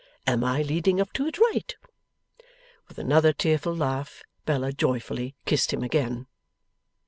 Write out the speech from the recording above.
Am I leading up to it right?' With another tearful laugh Bella joyfully kissed him again.